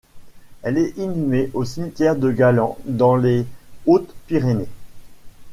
Elle est inhumée au cimetière de Galan, dans les Hautes-Pyrénées.